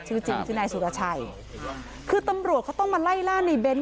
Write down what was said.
ชื่อจริงชื่อนายสุรชัยคือตำรวจเขาต้องมาไล่ล่าในเน้น